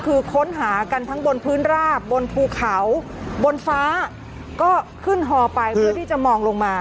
คือค้นหากันทั้งบนพื้นราบบนภูเขาบนฟ้าก็ขึ้นฮอไปเพื่อที่จะมองลงมา